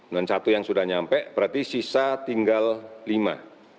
dan satu yang sudah nyampe berarti sisa tinggal lima